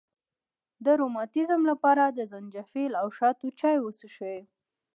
د روماتیزم لپاره د زنجبیل او شاتو چای وڅښئ